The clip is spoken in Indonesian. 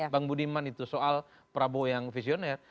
bang budiman itu soal prabowo yang visioner